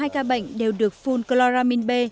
hai ca bệnh đều được full chloramine b